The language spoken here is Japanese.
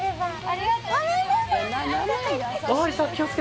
ありがとうございます。